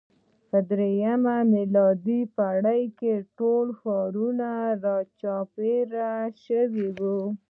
په درېیمه میلادي پېړۍ کې ټول ښارونه راچاپېر شوي وو.